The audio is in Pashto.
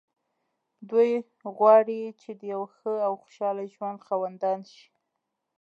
دوی غواړي چې د يوه ښه او خوشحاله ژوند خاوندان شي.